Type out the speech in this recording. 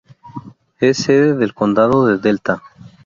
Es sede del condado de Delta.